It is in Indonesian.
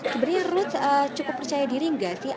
sebenarnya ruth cukup percaya diri nggak sih